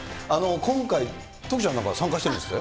今回、徳ちゃん、参加してるんですって。